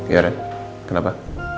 iya ren kenapa